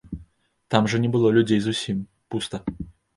Там жа не было людзей зусім, пуста.